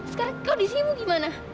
sekarang kau disihimu gimana